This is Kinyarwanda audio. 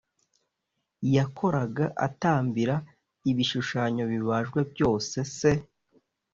yakoraga atambira ibishushanyo bibajwe byose se